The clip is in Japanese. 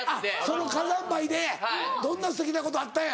その火山灰でどんなすてきなことあったんや。